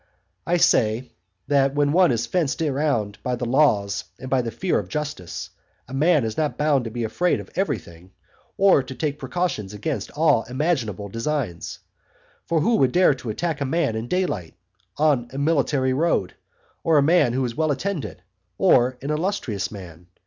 I say, that when one is fenced round by the laws and by the fear of justice, a man is not bound to be afraid of everything, or to take precautions against all imaginable designs; for who would dare to attack a man in daylight, on a military road, or a man who was well attended, or an illustrious man?